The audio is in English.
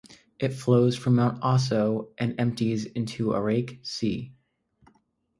It flows from Mount Aso and empties into the Ariake Sea.